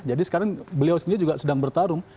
jadi sekarang beliau sendiri juga sedang bertarung